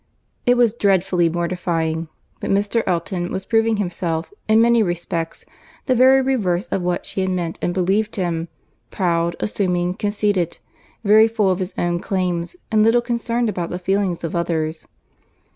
It was dreadfully mortifying; but Mr. Elton was proving himself, in many respects, the very reverse of what she had meant and believed him; proud, assuming, conceited; very full of his own claims, and little concerned about the feelings of others.